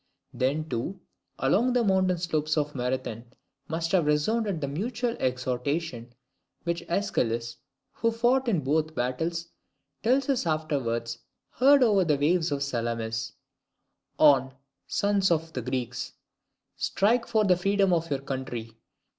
Then, too, along the mountain slopes of Marathon must have resounded the mutual exhortation which AEschylus, who fought in both battles, tells us was afterwards heard over the waves of Salamis, "On, sons of the Greeks! Strike for the freedom of your country!